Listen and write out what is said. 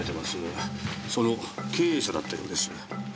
その経営者だったようです。